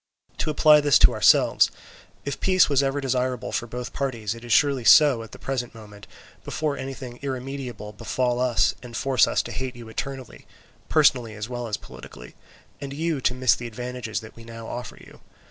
"To apply this to ourselves: if peace was ever desirable for both parties, it is surely so at the present moment, before anything irremediable befall us and force us to hate you eternally, personally as well as politically, and you to miss the advantages that we now offer you.